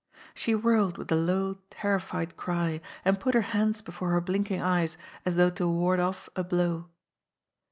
She whirled with a low, terrified cry, and put her hands before her blinking eyes as though to ward off a blow.